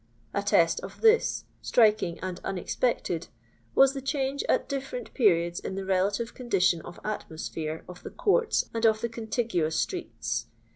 A test of this, striking and unexpected, was the change at different periods in the relative condi tion of atmosphere of the courts and of the con tiguous streets.